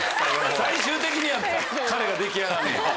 最終的には彼が出来上がんねや。